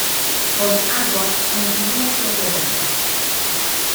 Con agua continua todo el año.